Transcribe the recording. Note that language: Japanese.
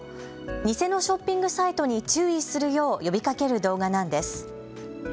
偽のショッピングサイトに注意するよう呼びかける動画なんです。